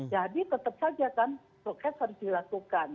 jadi tetap saja kan projek harus dilakukan